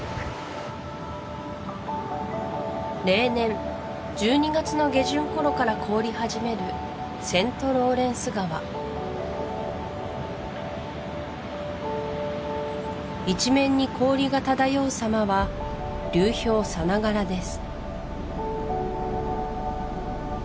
例年１２月の下旬頃から凍り始めるセントローレンス川一面に氷が漂うさまは流氷さながらです